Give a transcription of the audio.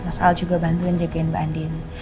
mas al juga bantuin jagain mbak andin